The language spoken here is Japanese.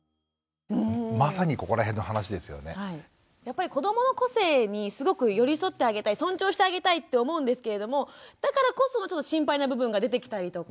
やっぱり子どもの個性にすごく寄り添ってあげたい尊重してあげたいって思うんですけれどもだからこそちょっと心配な部分が出てきたりとか。